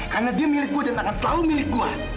karena dia milik gue dan akan selalu milik gue